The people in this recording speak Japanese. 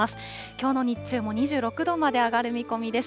きょうの日中も２６度まで上がる見込みです。